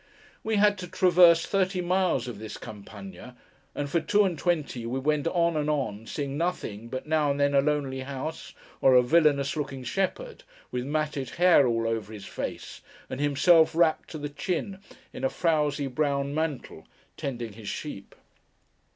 We had to traverse thirty miles of this Campagna; and for two and twenty we went on and on, seeing nothing but now and then a lonely house, or a villainous looking shepherd: with matted hair all over his face, and himself wrapped to the chin in a frowsy brown mantle, tending his sheep.